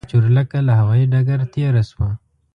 خو چورلکه له هوايي ډګر تېره شوه.